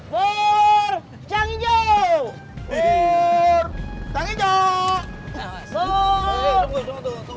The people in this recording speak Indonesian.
for canggih jauh